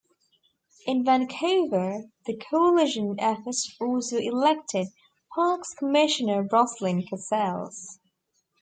In Vancouver, the coalition effort also elected Parks Commissioner Roslyn Cassells.